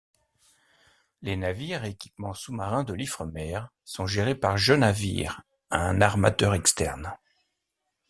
Les navires et équipements sous-marins de l'Ifremer sont gérés par Genavir, un armateur externe.